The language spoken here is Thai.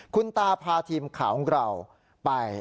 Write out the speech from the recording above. คุณตาพาทีมข่าวของเราไป